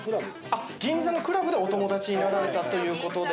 あっ銀座のクラブでお友達になられたという事で。